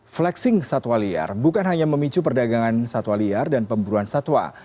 flexing satwa liar bukan hanya memicu perdagangan satwa liar dan pemburuan satwa